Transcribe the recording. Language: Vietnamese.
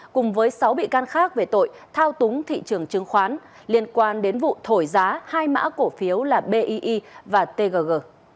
cùng với sáu bị can khác về tội thao túng thị trường chứng khoán liên quan đến vụ thổi giá hai mã cổ phiếu là bi và tgg